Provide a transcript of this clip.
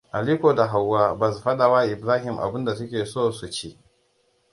Aliko da Hauwa basu faɗawa Ibrahima abun da suke so su ci.